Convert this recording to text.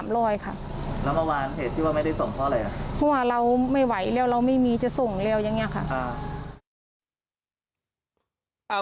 เพราะว่าเรามีแล้วเราไม่มีจะส่งแล้วอย่างนี้ค่ะ